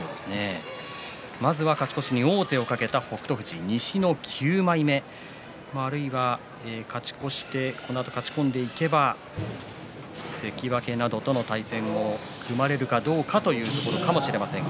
まずは勝ち越しに王手をかけた北勝富士西の９枚目あるいは勝ち越してこのあと勝ち込んでいけば関脇などとの対戦も組まれるかどうかというところかもしれません。